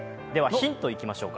ヒントいきましょうか。